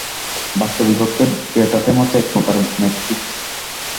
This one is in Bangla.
বাস্তবিক অর্থে ডেটা ফ্রেম হচ্ছে এক প্রকার ম্যাট্রিক্স।